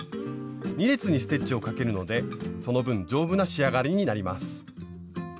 ２列にステッチをかけるのでその分丈夫な仕上がりになります。